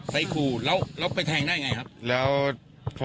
ไปขู่แล้วไปแทงได้ไงครับ